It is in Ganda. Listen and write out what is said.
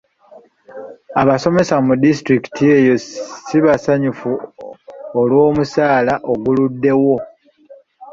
Abasomesa mu disitulikiti eyo ssi basanyufu olw'omusaala oguluddewo.